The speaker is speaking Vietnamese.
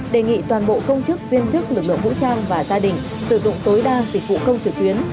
đề nghị toàn bộ công chức viên chức lực lượng vũ trang và gia đình sử dụng tối đa dịch vụ công trực tuyến